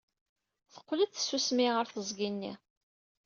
Teqqel-d tsusmi ɣer teẓgi-nni.